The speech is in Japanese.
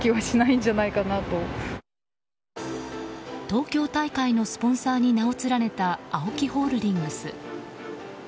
東京大会のスポンサーに名を連ねたＡＯＫＩホールディングス。